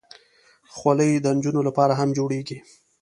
خولۍ د نجونو لپاره هم جوړېږي.